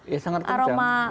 ya sangat kencang